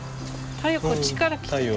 太陽こっちから来てる。